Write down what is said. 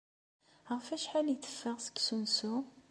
Ɣef wacḥal ay teffeɣ seg usensu?